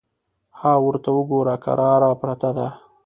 _ها ورته وګوره! کراره پرته ده.